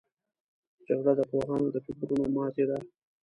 جګړه د پوهانو د فکرونو ماتې ده